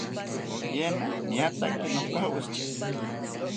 Poyena niatakite nokashitya